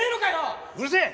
うるせえ！